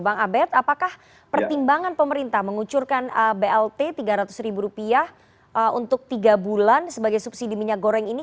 bang abed apakah pertimbangan pemerintah mengucurkan blt rp tiga ratus ribu rupiah untuk tiga bulan sebagai subsidi minyak goreng ini